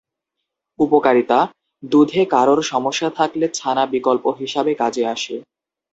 উপকারিতা:দুধে কারোর সমস্যা থাকলে ছানা বিকল্প হিসাবে কাজে আসে।